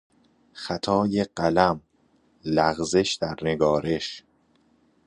خطای قلم، لغزش در نگارش